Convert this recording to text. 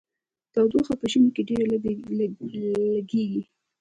تودوخه په ژمي کې ډیره لګیږي.